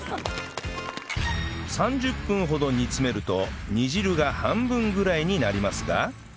３０分ほど煮詰めると煮汁が半分ぐらいになりますが